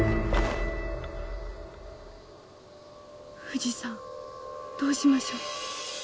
藤さんどうしましょう。